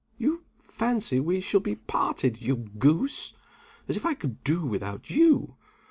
You fancy we shall be parted, you goose? As if I could do without you!